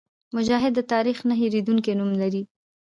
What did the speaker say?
مجاهد د تاریخ نه هېرېدونکی نوم لري.